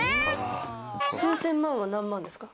数千万は何万ですか？